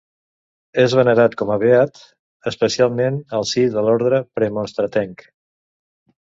És venerat com a beat, especialment al si de l'Orde Premonstratenc.